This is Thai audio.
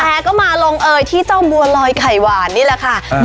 แต่ก็มาลงเอยที่เจ้าบัวลอยไข่หวานนี่แหละค่ะ